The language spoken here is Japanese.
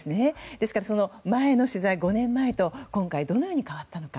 ですからその前の取材５年前と今回どのように変わったのか。